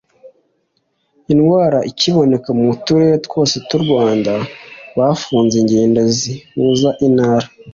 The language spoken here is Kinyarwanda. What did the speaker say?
indwara ikiboneka mu turere twose tw'u rwanda bafunze ingendo zihuza intara